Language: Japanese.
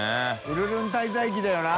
ウルルン滞在記」だよな。